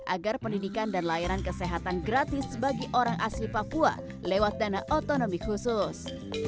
agar pendidikan dan layanan kesehatan gratis bagi orang asli papua lewat dana otonomi khusus